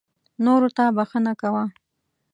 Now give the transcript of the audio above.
نورو ته بښنه کوه .